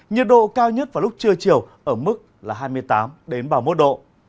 nhiệt độ cao nhất vào lúc trưa chiều ở mức là hai mươi tám ba mươi một độ